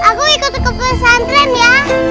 aku ikut ke pesantren ya